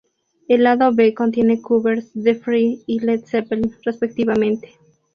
El lado B contiene covers de Free y Led Zeppelin, respectivamente.